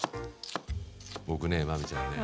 僕ね真海ちゃんね。